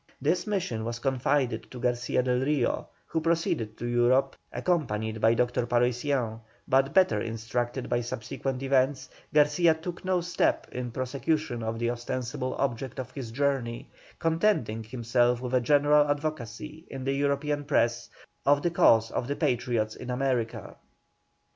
This mission was confided to Garcia del Rio, who proceeded to Europe accompanied by Dr. Paroissiens; but better instructed by subsequent events, Garcia took no step in prosecution of the ostensible object of his journey, contenting himself with a general advocacy in the European press of the cause of the Patriots in America.